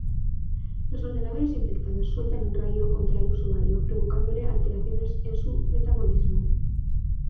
Los ordenadores infectados sueltan un rayo contra el usuario provocándole alteraciones en su metabolismo.